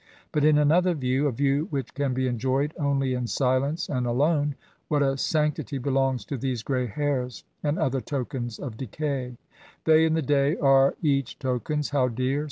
But, in another view, — ^a view which can be enjoyed only in silence and alone, — what a sanctity belongs to these gray hairs and other tokens of decay^! They and the day are each tokens (how dear